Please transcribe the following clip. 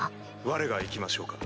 われが行きましょうか？